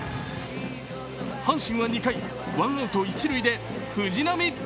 阪神は２回、ワンアウト一塁で藤浪。